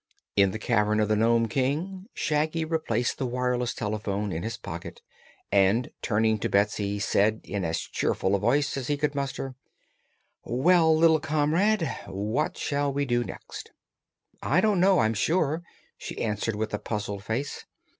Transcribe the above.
In the cavern of the Nome King Shaggy replaced the wireless telephone in his pocket and turning to Betsy said in as cheerful a voice as he could muster: "Well, little comrade, what shall we do next?" "I don't know, I'm sure," she answered with a puzzled face.